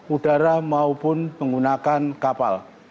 udara maupun menggunakan kapal